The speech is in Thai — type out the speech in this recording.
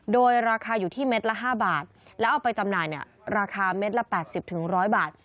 โดยราคาอยู่ที่เม็ดละ๕บาทแล้วเอาไปจำหน่ายเนี่ยราคาเม็ดละ๘๐๑๐๐บาท